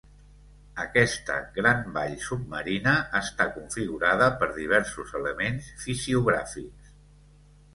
Aquesta gran vall submarina està configurada per diversos elements fisiogràfics.